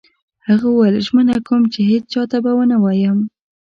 هغه وویل: ژمنه کوم چي هیڅ چا ته به نه وایم.